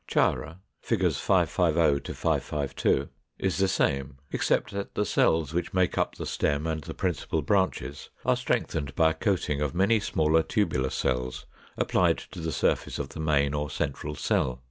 Chara (Fig. 550 552) is the same, except that the cells which make up the stem and the principal branches are strengthened by a coating of many smaller tubular cells, applied to the surface of the main or central cell.